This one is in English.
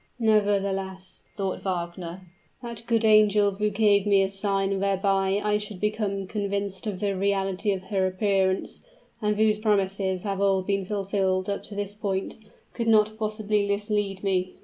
"Nevertheless," thought Wagner, "that good angel who gave me a sign whereby I should become convinced of the reality of her appearance, and whose promises have all been fulfilled up to this point, could not possibly mislead me.